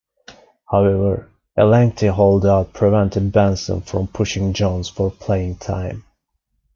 However, a lengthy hold-out prevented Benson from pushing Jones for playing time.